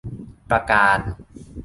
ประการ